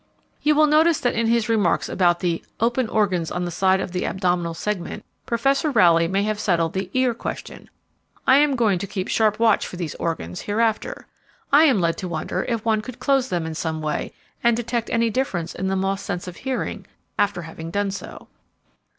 You will observe that in his remarks about the "open organs on the side of the abdominal segment," Professor Rowley may have settled the 'ear' question. I am going to keep sharp watch for these organs, hereafter. I am led to wonder if one could close them in some way and detect any difference in the moth's sense of hearing after having done so.